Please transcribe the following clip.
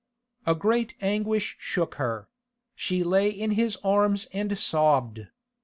A great anguish shook her; she lay in his arms and sobbed.